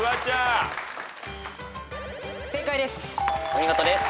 お見事です。